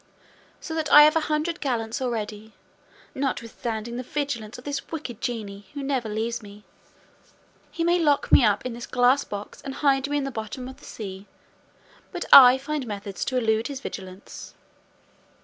So that I have had a hundred gallants already, notwithstanding the vigilance of this wicked genie, who never leaves me. He may lock me up in this glass box and hide me in the bottom of the sea; but I find methods to elude his vigilance.